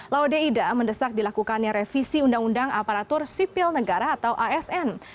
laude ida mendesak dilakukannya revisi undang undang aparatur sipil negara atau asn